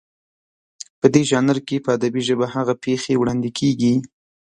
په دې ژانر کې په ادبي ژبه هغه پېښې وړاندې کېږي